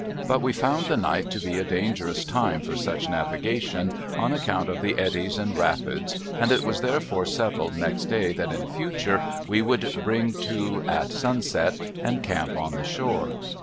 But, we found the night to be a dangerous time for such navigation, on account of the eddies and rapids, and it was therefore settled next day that in future we would bring to at sunset, and encamp on the shore.